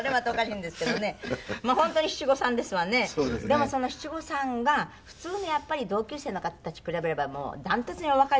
でもその七五三が普通にやっぱり同級生の方たちに比べれば断トツにお若いと思うんですよね。